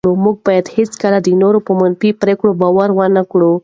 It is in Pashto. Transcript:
موږ باید هېڅکله د نورو په منفي پرېکړو باور ونه کړو.